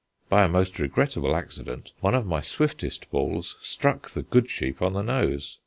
By a most regrettable accident, one of my swiftest balls struck the good sheep on the nose.